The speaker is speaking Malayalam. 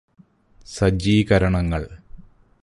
സജ്ജീകരണങ്ങള്